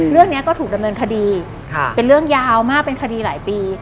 เรื่องนี้ก็ถูกดำเนินคดีเป็นเรื่องยาวมากเป็นคดีหลายปี